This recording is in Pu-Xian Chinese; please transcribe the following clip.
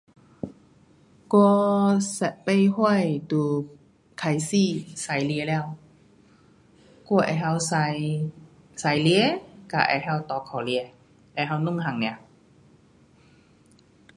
我十八岁就开始驾车了。我知晓驾驾车还知晓骑脚车。知晓两种 nia